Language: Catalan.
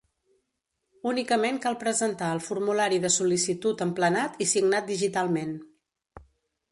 Únicament cal presentar el formulari de sol·licitud emplenat i signat digitalment.